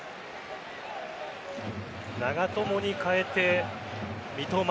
長友に代えて三笘。